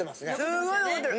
すごい残ってる！